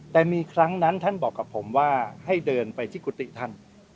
แต่มีครั้งนั้นท่านบอกกับผมว่าให้เดินไปที่กุฏิท่าน